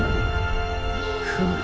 フム。